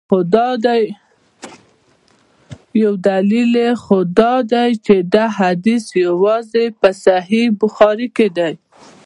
یو دلیل یې خو دا دی چي دا حدیث یوازي په صحیح بخاري کي.